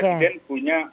jadi presiden punya